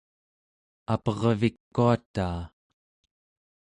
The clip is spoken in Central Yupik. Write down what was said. apervikuataa